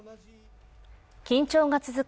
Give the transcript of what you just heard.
緊張が続く